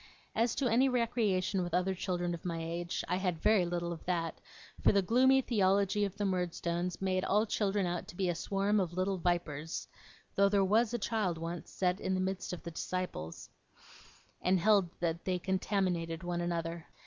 As to any recreation with other children of my age, I had very little of that; for the gloomy theology of the Murdstones made all children out to be a swarm of little vipers (though there WAS a child once set in the midst of the Disciples), and held that they contaminated one another.